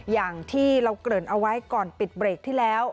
อย่างที่เราเกริ่นเอาไว้ก่อนปิดเบรกที่แล้ว